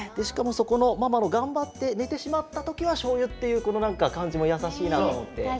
しかもそこのママが頑張ってねてしまったときはしょうゆっていうこのなんかかんじもやさしいなとおもって。